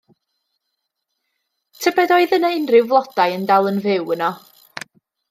Tybed a oedd yna unrhyw flodau yn dal yn fyw yno.